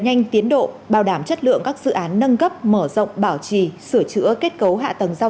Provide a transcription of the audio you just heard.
nhanh tiến độ bảo đảm chất lượng các dự án nâng cấp mở rộng bảo trì sửa chữa kết cấu hạ tầng giao